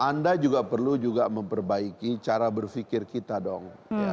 anda juga perlu juga memperbaiki cara berpikir kita dong